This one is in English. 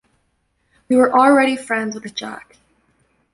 We were already friends with Jack.